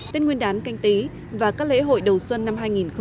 tết nguyên đán canh tí và các lễ hội đầu xuân năm hai nghìn hai mươi